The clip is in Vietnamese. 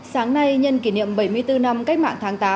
sáng nay nhân kỷ niệm bảy mươi bốn năm cách mạng tháng tám